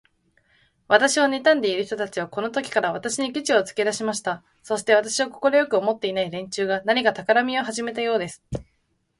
私をねたんでいる人たちは、このときから、私にケチをつけだしました。そして、私を快く思っていない連中が、何かたくらみをはじめたようです。